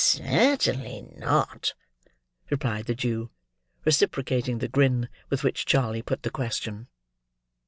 "Certainly not," replied the Jew, reciprocating the grin with which Charley put the question.